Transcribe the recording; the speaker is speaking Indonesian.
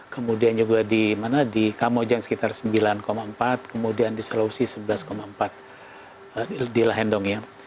kemudian juga di mana di kamojang sekitar sembilan empat kemudian di sulawesi sebelas empat di lahendong ya